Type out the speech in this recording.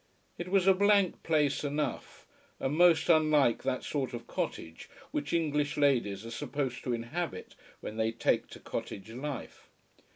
It was a blank place enough, and most unlike that sort of cottage which English ladies are supposed to inhabit, when they take to cottage life.